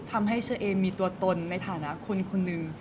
ทำให้เชอเอมมีตัวตนในฐานะคนคนหนึ่ง